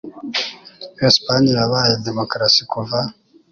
Espagne yabaye demokarasi kuva .